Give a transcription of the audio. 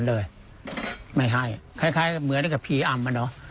คล้ายเหมือนกับพรีอำ